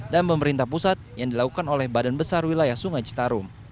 dan pemerintah pusat yang dilakukan oleh badan besar wilayah sungai citarum